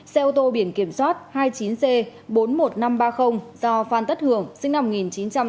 xe ô tô biển kiểm soát hai mươi chín c bốn mươi một nghìn năm trăm ba mươi do phan tất hưởng sinh năm một nghìn chín trăm tám mươi